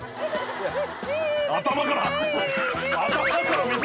頭から。